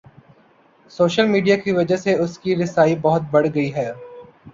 Social media کی وجہ سے اس کی رسائی بہت بڑھ گئی ہے۔